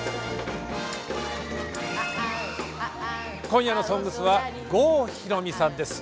今夜の「ＳＯＮＧＳ」は郷ひろみさんです。